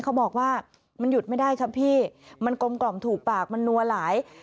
เขาบอกว่ามันหยุดไม่ได้ครับพี่มันกลมกล่อมถูกปากมันนัวหลาย